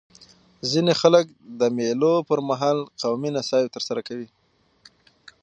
ځيني خلک د مېلو پر مهال قومي نڅاوي ترسره کوي.